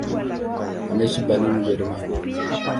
Anaishi Berlin, Ujerumani.